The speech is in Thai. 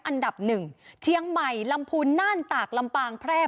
อันดับหนึ่งเชียงใหม่ลำพูนน่านตากลำปางแพร่